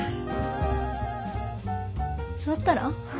座ったら？